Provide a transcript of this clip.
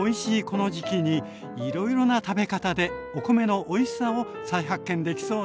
この時期にいろいろな食べ方でお米のおいしさを再発見できそうな予感。